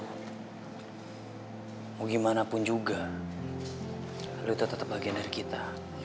lo gimana pun juga lo tetap bagian dari kita